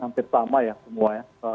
hampir sama ya semua ya